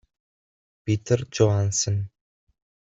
Peter Johansen